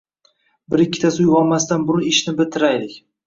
Bitta-ikkitasi uyg‘onmasdan burun ishshi bitiraylik!»